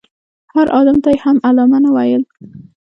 هر عالم ته یې هم علامه نه ویل.